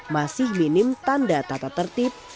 masih minim tanda tata tertib